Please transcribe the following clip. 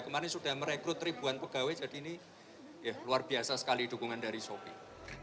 kemarin sudah merekrut ribuan pegawai jadi ini luar biasa sekali dukungan dari shopee